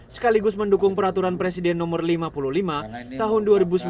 sekaligus mendukung peraturan presiden nomor lima puluh lima tahun dua ribu sembilan belas